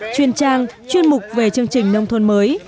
chuyên trang chuyên mục về chương trình nông thôn mới